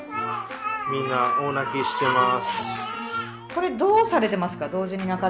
これどうされてますか？